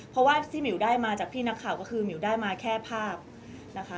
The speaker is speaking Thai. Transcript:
เพราะว่าที่หมิวได้มาจากพี่นักข่าวก็คือหมิวได้มาแค่ภาพนะคะ